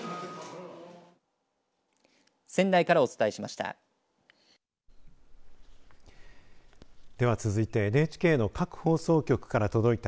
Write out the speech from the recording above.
仙台からお伝えしました。